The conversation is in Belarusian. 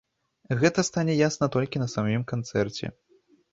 Гэта стане ясна толькі на самім канцэрце.